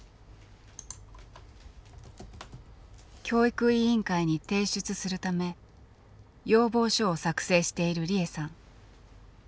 教育委員会に提出するため要望書を作成している利枝さん。